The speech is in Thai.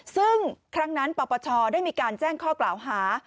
ซึ่งครั้งนั้นปปชได้มีการแจ้งข้อกล่าวหา